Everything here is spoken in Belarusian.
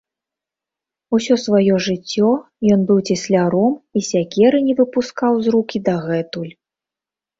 Усё сваё жыццё ён быў цесляром і сякеры не выпускаў з рук і дагэтуль.